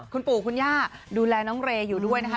คุณปู่คุณย่าดูแลน้องเรย์อยู่ด้วยนะคะ